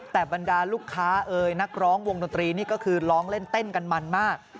แต่บรรดาลูกค้าเอ่ยนักร้องวงดนตรีนี่ก็คือร้องเล่นเต้นกันมันมาก